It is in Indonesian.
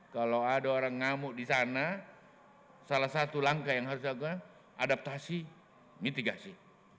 kalau ada orang ngamuk di sana salah satu langkah yang harus jaga adaptasi mitigasi